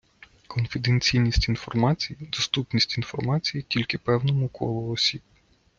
Конфіденційність інформації - доступність інформації тільки певному колу осіб.